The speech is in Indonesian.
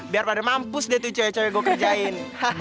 biar pada mampus deh tuh cewek cewek gue kerjain